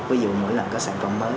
ví dụ mỗi lần có sản phẩm mới